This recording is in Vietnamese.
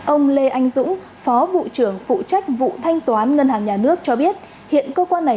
ông lê anh dũng phó vụ trưởng phụ trách vụ thanh toán ngân hàng nhà nước cho biết hiện cơ quan này